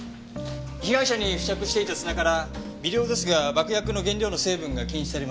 被害者に付着していた砂から微量ですが爆薬の原料の成分が検出されました。